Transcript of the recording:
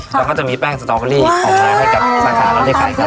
แล้วก็จะมีแป้งสตอเบอรี่ออกมาให้กับสาขาเราได้ขายกัน